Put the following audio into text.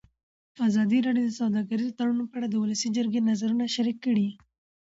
ازادي راډیو د سوداګریز تړونونه په اړه د ولسي جرګې نظرونه شریک کړي.